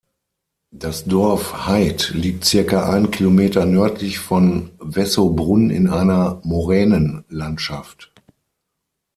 Das Dorf Haid liegt circa einen Kilometer nördlich von Wessobrunn in einer Moränenlandschaft.